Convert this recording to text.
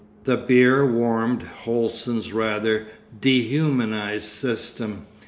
The beer warmed Holsten's rather dehumanised system.